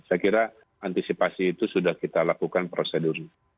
saya kira antisipasi itu sudah kita lakukan prosedur